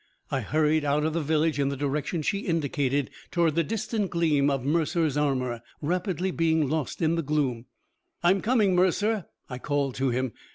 I hurried out of the village in the direction she indicated, towards the distant gleam of Mercer's armor, rapidly being lost in the gloom. "I'm coming, Mercer!" I called to him.